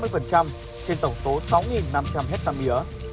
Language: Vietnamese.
trên tổng số sáu năm trăm linh ha mía